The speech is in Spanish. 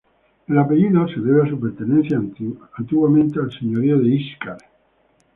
El apellido se debe a su pertenencia antiguamente al señorío de Íscar.